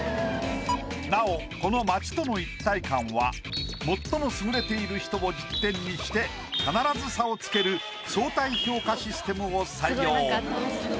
なおこの「街との一体感」は最も優れている人を１０点にして必ず差をつける相対評価システムを採用。